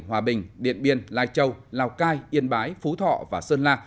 hòa bình điện biên lai châu lào cai yên bái phú thọ và sơn la